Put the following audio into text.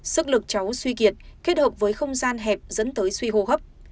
sức lực cháu suy kiệt kết hợp với không gian hẹp dẫn tới suy hô hấp